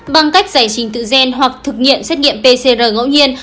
bằng cách giải trình tự gen hoặc thực nghiệm xét nghiệm pcr ngẫu nhiên